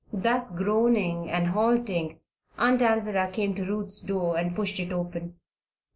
Thus groaning and halting, Aunt Alvirah came to Ruth's door and pushed it open.